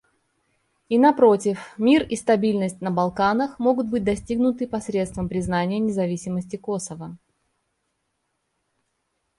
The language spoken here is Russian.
И напротив, мир и стабильность на Балканах могут быть достигнуты посредством признания независимости Косово.